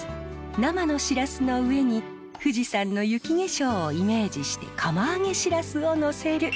生のシラスの上に富士山の雪化粧をイメージして釜揚げシラスをのせる。